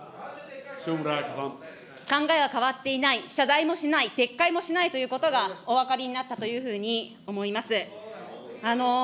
考えは変わっていない、謝罪もしない、撤回もしないということが、お分かりになったというふうに思います。